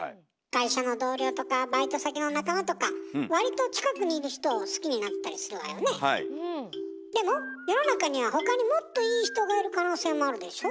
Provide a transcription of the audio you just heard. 会社の同僚とかバイト先の仲間とか割とでも世の中には他にもっといい人がいる可能性もあるでしょ？